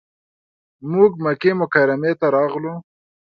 موږ مکې مکرمې ته راغلو.